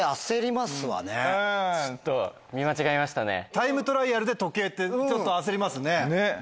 タイムトライアルで時計ってちょっと焦りますね。